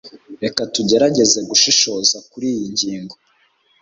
reka tugerageze gushishoza kuriyi ngingo